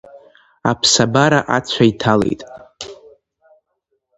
Аԥсабара ацәа иҭалеит…